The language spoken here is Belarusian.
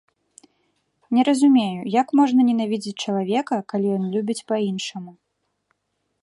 Не разумею, як можна ненавідзець чалавека, калі ён любіць па-іншаму?